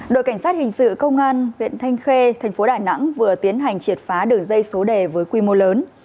đội cảnh sát hình sự công an viện thanh khê tp đà nẵng vừa tiến hành triệt phá đường dây số đề với quy mô lớn